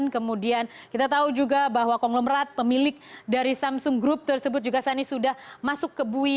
kemudian kita tahu juga bahwa konglomerat pemilik dari samsung group tersebut juga saat ini sudah masuk ke bui